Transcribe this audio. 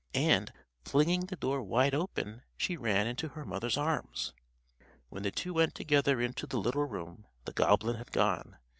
and, flinging the door wide open, she ran into her mother's arms. When the two went together into the little room, the goblin had gone.